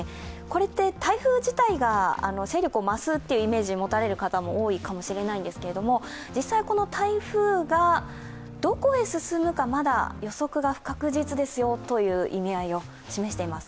これって台風自体が勢力を増すイメージを持たれる方も多いかもしれないんですけれども、実際は、台風がどこへ進むか、まだ予測が不確実ですよという意味合いを示しています。